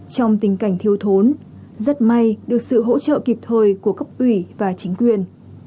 trong tình cảnh thiếu thốn rất may được sự hỗ trợ kịp thời của cấp ủy và chính quyền